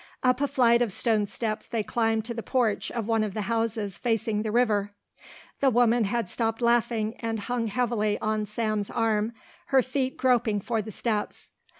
Up a flight of stone steps they climbed to the porch of one of the houses facing the river. The woman had stopped laughing and hung heavily on Sam's arm, her feet groping for the steps.